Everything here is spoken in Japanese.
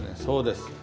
そうです。